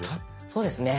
そうですね。